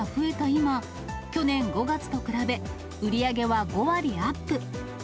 今、去年５月と比べ、売り上げは５割アップ。